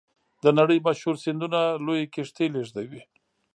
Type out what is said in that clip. د نړۍ مشهورې سیندونه لویې کښتۍ لیږدوي.